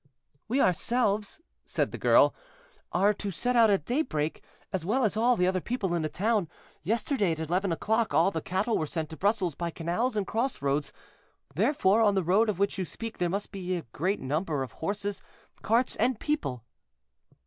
"We ourselves," said the girl, "are to set out at daybreak, as well as all the other people in the town. Yesterday, at eleven o'clock, all the cattle were sent to Brussels by canals and cross roads; therefore on the road of which you speak there must be great numbers of horses, carts, and people."